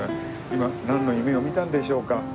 今なんの夢を見たんでしょうか？